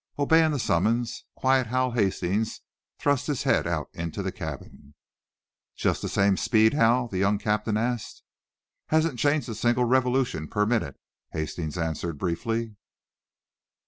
Obeying the summons, quiet Hal Hastings thrust his head out into the cabin. "Just the same speed, Hal?" the young captain asked. "Hasn't changed a single revolution per minute," Hastings answered, briefly.